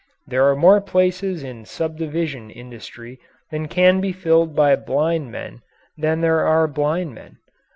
There are more places in subdivision industry that can be filled by blind men than there are blind men.